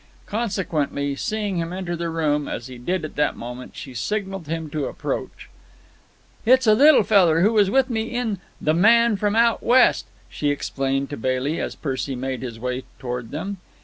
Consequently, seeing him enter the room, as he did at that moment, she signalled him to approach. "It's a little feller who was with me in 'The Man from Out West'," she explained to Bailey as Percy made his way toward them.